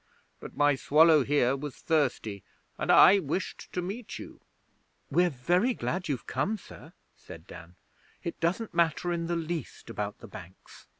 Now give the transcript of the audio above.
But my Swallow here was thirsty, and I wished to meet you.' 'We're very glad you've come, sir,' said Dan. 'It doesn't matter in the least about the banks.'